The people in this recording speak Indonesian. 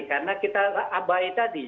karena kita abai tadi